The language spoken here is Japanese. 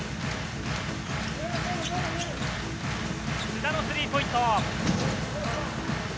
須田のスリーポイント。